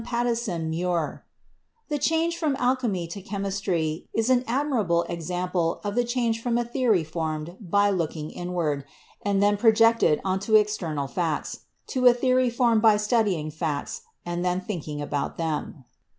Pattison Muir, "the change from alchemy to chemistry is an ad mirable example of the change from a theory formed by looking inward, and then projected on to external facts, to a theory formed by studying facts, and then thinking about them."